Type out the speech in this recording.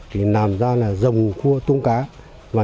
thì làm ra là rồng cua tôm cá